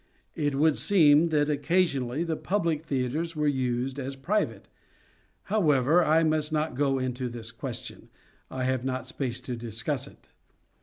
It would seem that occasionally the public theatres were used as private. How ever, I must not go into this question ; I have not space to discuss it.